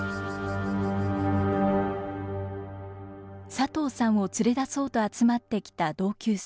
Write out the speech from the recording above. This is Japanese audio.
佐藤さんを連れ出そうと集まってきた同級生。